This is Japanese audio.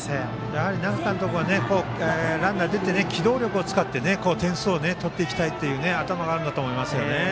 やはり那賀監督はランナーが出て機動力を使って点数を取っていきたいという頭があるんだと思いますよね。